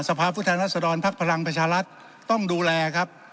สภาพุทธรรมรัสดรพลักษณ์พลังประชาลัทธิ์ต้องดูแลครับ